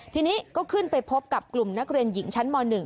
ทีนี้ก็ขึ้นไปพบกับกลุ่มนักเรียนหญิงชั้นม๑